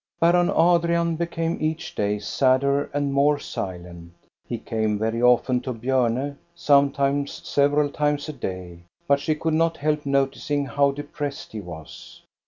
Baron Adrian became each day sadder and more silent. He came very often to Bjorne, sometimes several times a day, but she could not help noticing low depressed he was.